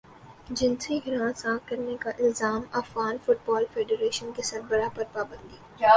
جنسی ہراساں کرنے کا الزام افغان فٹبال فیڈریشن کے سربراہ پر پابندی